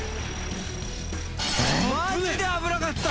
マジで危なかった。